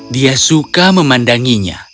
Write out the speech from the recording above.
dia suka memandanginya